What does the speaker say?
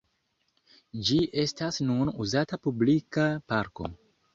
Ĝi estas nun uzata publika parko.